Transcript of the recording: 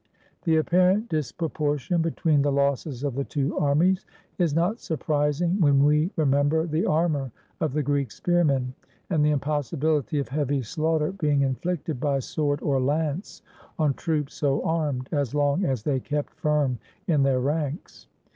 The apparent disproportion between the losses of the two armies is not surprising when we remember the armor of the Greek spearmen, and the impossibility of heavy slaughter being inflicted by sword or lance on troops so armed, as long as they kept firm in their ranks.